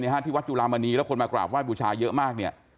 ที่วัดจุลามณีแล้วคนมากราบไห้บูชาเยอะมากเนี่ย